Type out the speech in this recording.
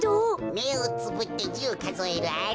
めをつぶって１０かぞえるアリ。